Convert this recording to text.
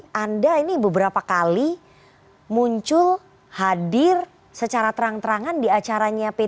tapi anda ini beberapa kali muncul hadir secara terang terangan di acaranya p tiga